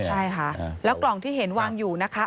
ใช่ค่ะแล้วกล่องที่เห็นวางอยู่นะคะ